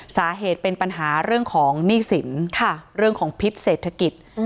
สาเหตุเป็นปัญหาเรื่องของหนี้สินเรื่องของพิษเศรษฐกิจ